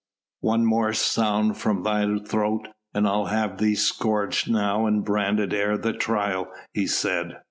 "One more sound from thy throat and I'll have thee scourged now and branded ere thy trial," he said.